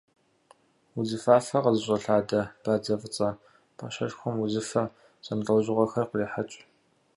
Удзыфафэ къызыщӏэлъадэ бадзэ фӏыцӏэ пӏащӏэшхуэм узыфэ зэмылӏэужьыгъуэхэр кърехьэкӏ.